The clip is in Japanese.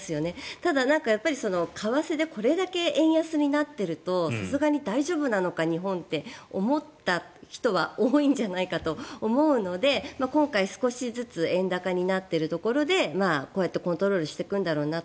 ただ、為替でこれだけ円安になっているとさすがに大丈夫なのか日本って思った人は多いんじゃないかと思うので今回少しずつ円高になっているところでこうやってコントロールをしていくんだろうなと。